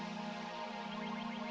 ketelahuan sekali kamu